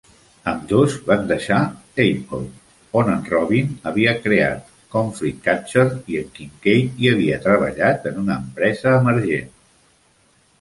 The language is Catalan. Ambdós van deixar Apple, on en Robbin havia creat Conflict Catcher i en Kincaid hi havia treballar en una empresa emergent.